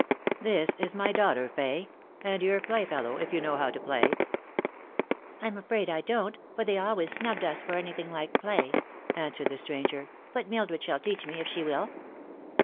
" This is my daughter, Fay, and your playfellow, if you know how to play.'' 14 The Fatal Three. " I'm afraid I don't, for they always snubbed us for anything like play," answered the stranger, " but Mildred shall teach me, if she will."